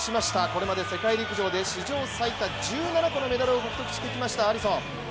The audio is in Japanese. これまで世界陸上で史上最多１７個のメダルを獲得してきましたアリソン。